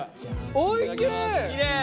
おいしい！